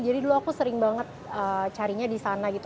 jadi dulu aku sering banget carinya di sana gitu